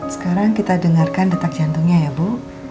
sekarang kita dengarkan detak jantungnya ya bu